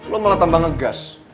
lo malah tambah ngegas